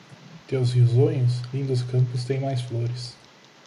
Teus risonhos, lindos campos têm mais flores